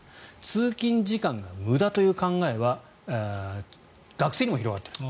通勤時間が無駄という考えは学生にも広がっている。